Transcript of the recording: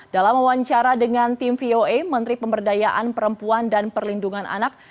dalam wawancara dengan tim voa menteri pemberdayaan perempuan dan perlindungan anak